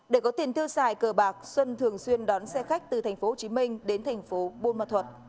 để có tiền thư xài cờ bạc xuân thường xuyên đón xe khách từ tp hcm đến tp bông an thuật